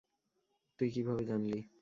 তুই কীভাবে জানলি?